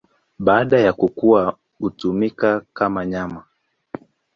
Baada ya kukua hutumika kama nyama.